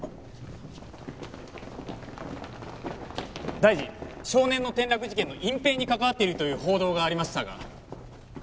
大臣少年の転落事件の隠蔽に関わっているという報道がありましたが。